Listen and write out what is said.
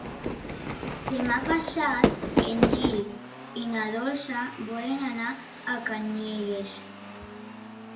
Demà passat en Gil i na Dolça volen anar a Canyelles.